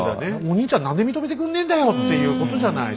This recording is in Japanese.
お兄ちゃん何で認めてくんねえんだよっていうことじゃない？